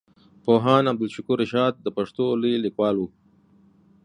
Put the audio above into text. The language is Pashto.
پوهاند عبدالشکور رشاد د پښتو لوی ليکوال وو.